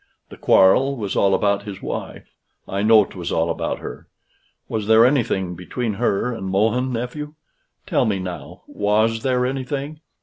The quarrel was all about his wife. I know 'twas all about her. Was there anything between her and Mohun, nephew? Tell me now was there anything?